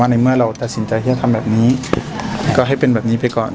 ในเมื่อเราตัดสินใจที่จะทำแบบนี้ก็ให้เป็นแบบนี้ไปก่อน